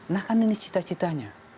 nah kan ini cita citanya